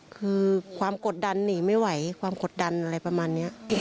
คือความกดดันหนีไม่ไหวความกดดันอะไรประมาณนี้